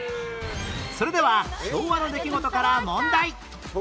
それでは昭和の出来事から問題